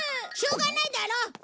しょうがないだろ！